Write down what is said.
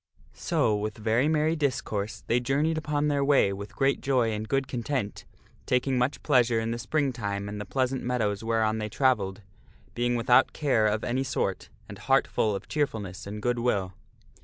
So, with very merry discourse they journeyed upon their way with great joy and good content, taking much pleasure in the spring time and the pleasant meadows whereon they travelled, being without care of any sort, and heart full of cheerfulness and good will.